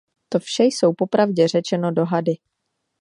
To vše jsou po pravdě řečeno dohady.